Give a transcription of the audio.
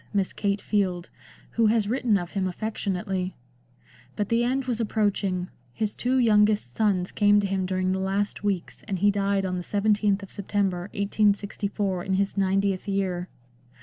Miss Kate Field, who has written of him affectionately. But the end was approaching ; his two youngest sons came to him during the last weeks, and he died on the 17th of September 1864 in his ninetieth year.